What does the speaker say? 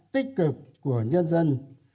tích cực của nhân dân